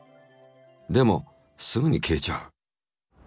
でもすぐに消えちゃう。